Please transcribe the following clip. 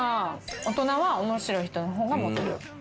大人は面白い人の方がモテる。